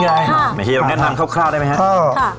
มีเครียมแก้นทางครอบคร่าวได้ไหมคะ